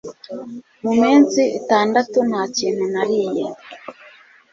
Mu minsi itandatu nta kintu nariye